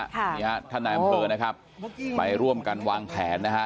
นี่ฮะท่านนายอำเภอนะครับไปร่วมกันวางแผนนะฮะ